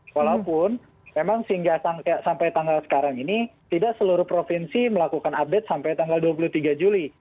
walaupun memang sehingga sampai tanggal sekarang ini tidak seluruh provinsi melakukan update sampai tanggal dua puluh tiga juli